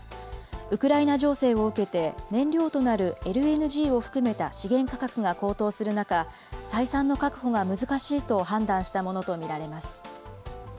ウクライナ情勢を受けて、燃料となるＬＮＧを含めた資源価格が高騰する中、採算の確保が難しいと判断したものと見られます。